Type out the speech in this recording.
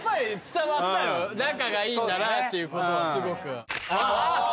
仲がいいんだなっていうことはすごく。